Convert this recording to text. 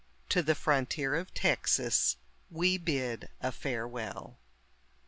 To the frontier of Texas we bid a farewell.